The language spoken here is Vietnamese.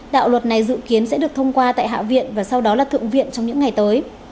đạo luật này dự kiến sẽ được thông qua tại hạ viện và sau đó là thượng viện trong những ngày tới